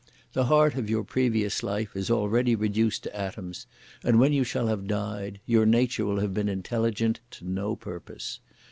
The heart of your previous life is already reduced to atoms, and when you shall have died, your nature will have been intelligent to no purpose!